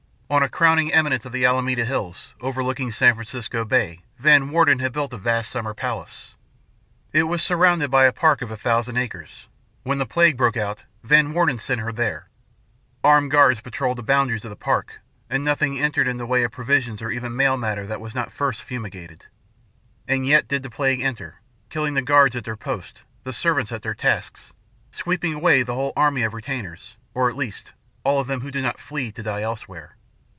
On a crowning eminence of the Alameda Hills, overlooking San Francisco Bay, Van Warden had built a vast summer palace. It was surrounded by a park of a thousand acres. When the plague broke out, Van Warden sent her there. Armed guards patrolled the boundaries of the park, and nothing entered in the way of provisions or even mail matter that was not first fumigated. And yet did the plague enter, killing the guards at their posts, the servants at their tasks, sweeping away the whole army of retainers or, at least, all of them who did not flee to die elsewhere.